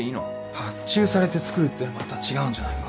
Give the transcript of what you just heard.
発注されて作るってのはまた違うんじゃないか？